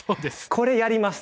これやります。